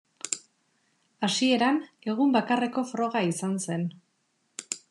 Hasieran egun bakarreko froga izan zen.